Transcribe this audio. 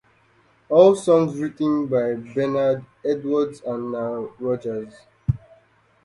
All songs written by Bernard Edwards and Nile Rodgers.